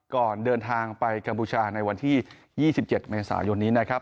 ก่อนเดินทางไปกัมพูชาในวันที่๒๗เมษายนนี้นะครับ